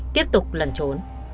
tiếp tục lần trốn